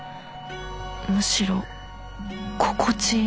むしろ心地いい。